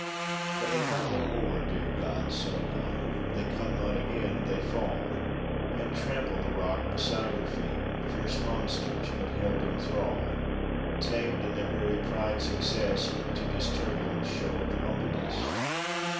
But they come no more, dear God, so nigh They come not again, they fall And trample the rock beside her feet, Fierce monsters, but held in thrall, Tamed in their very pride's excess To this turbulent show of humbleness.